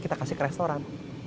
kita kasih ke restoran